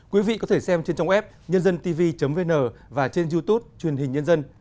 quý vị có thể xem trên trang web nhândantv vn và trên youtube truyền hình nhân dân